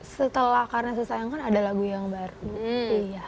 setelah karena saya sayang kan ada lagu yang baru